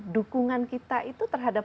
dukungan kita itu terhadap